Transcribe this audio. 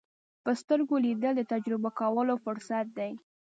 په سترګو لیدل د تجربه کولو فرصت دی